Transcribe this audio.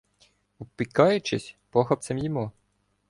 Обпікаючись, похапцем їмо.